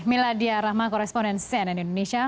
miladia rahma koresponden cnn indonesia